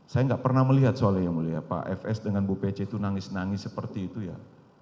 saya nggak pernah melihat soalnya yang mulia pak fs dengan bu pece itu nangis nangis seperti itu ya